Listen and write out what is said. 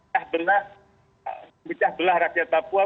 memecah belah rakyat papua